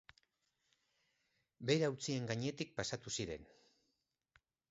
Beira hautsien gainetik pasatu ziren.